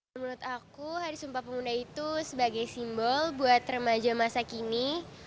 menurut aku hari sumpah pemuda itu sebagai simbol buat remaja masa kini